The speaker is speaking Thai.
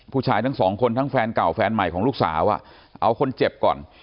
ผู้ชายทั้งสองคนทั้งแฟนเก่าแฟนใหม่ของลูกสาวเอาคนเจ็บก่อน